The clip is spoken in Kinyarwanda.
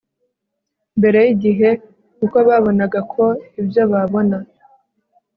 mbere yigihe kuko babonaga ko ibyo babona